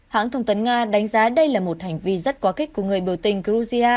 hãng thông tấn nga đánh giá đây là một hành vi rất quá kích của người biểu tình georgia